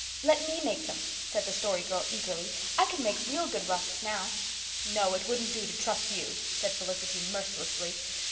"Let me make them," said the Story Girl, eagerly. "I can make real good rusks now." "No, it wouldn't do to trust you," said Felicity mercilessly.